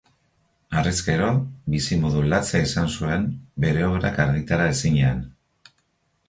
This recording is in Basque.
Harrezkero, bizimodu latza izan zuen, bere obrak argitara ezinean.